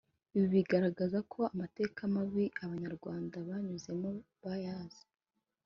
Ibi bigaragaza ko amateka mabi Abanyarwanda banyuzemo bayazi